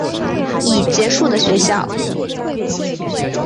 已结束的学校